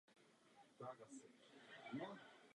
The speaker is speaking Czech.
Změna klimatu a lesy jsou spolu nerozlučně spojeny.